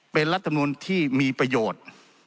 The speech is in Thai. เป็นรัฐมนุนที่มีประโยชน์